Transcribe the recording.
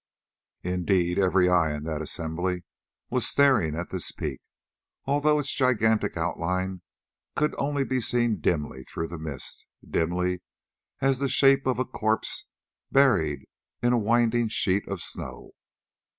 Indeed every eye in that assembly was staring at this peak, although its gigantic outline could only be seen dimly through the mist, dimly as the shape of a corpse buried in a winding sheet of snow.